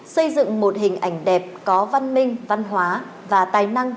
xây dựng một hình ảnh đẹp có văn minh văn hóa và tài năng